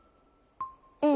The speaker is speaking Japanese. うん。